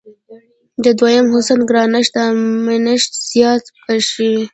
د دویم حسن ګرانښت او منښت زیات برېښي.